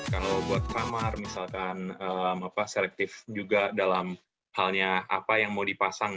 kalau buat kamar misalkan selektif juga dalam halnya apa yang mau dipasang